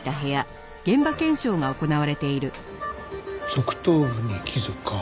側頭部に傷か。